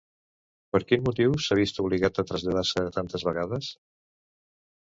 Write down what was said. Per quin motiu s'ha vist obligat a traslladar-se tantes vegades?